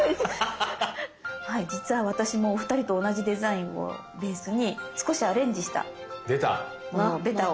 実は私もお二人と同じデザインをベースに少しアレンジしたものをベタを。